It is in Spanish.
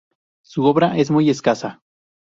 Su obra es muy escasa.